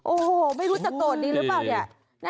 โอ้โหไม่รู้จะโกรธนี้หรือเปล่าเนี่ย